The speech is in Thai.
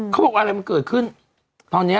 เขาบอกอะไรมันเกิดขึ้นตอนนี้